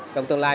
trong tương lai